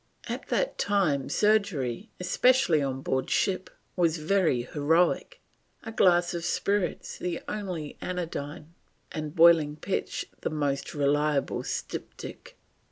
At that time surgery, especially on board ship, was very heroic; a glass of spirits the only anodyne, and boiling pitch the most reliable styptic.